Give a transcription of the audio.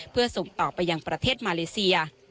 เพื่อส่งต่อไปยังประเทศมาเลเซีย